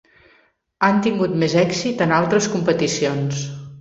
Han tingut més èxit en altres competicions.